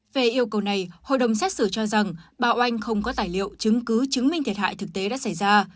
về yêu cầu này hội đồng xét xử cho rằng bà oanh không có tài liệu chứng cứ chứng minh thiệt hại thực tế đã xảy ra